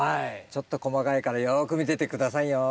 ちょっと細かいからよく見てて下さいよ。